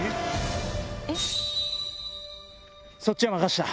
そっちは任した。